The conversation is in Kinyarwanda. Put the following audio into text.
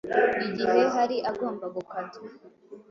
igihe hari agomba gukatwa.